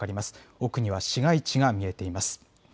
奥には市街地が見えています。